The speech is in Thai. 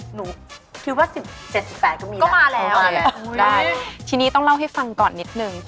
หนูคิดว่า๑๗๑๘ก็มีแหละก็มาแล้วได้ทีนี้ต้องเล่าให้ฟังก่อนนิดนึง